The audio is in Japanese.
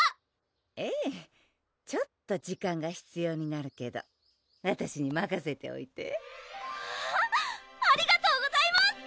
ええちょっと時間が必要になるけどわたしにまかせておいてあぁありがとうございます！